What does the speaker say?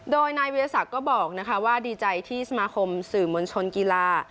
โดยนายเวียสัครก็บอกนะคะว่าดีใจที่สมาคมสื่อมวลชนกีฬา